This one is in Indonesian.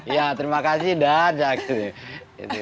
ya terima kasih dan